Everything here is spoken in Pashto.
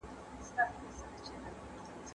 حاکمانو ویل چي دا کړني دوی ته ګټه رسوي.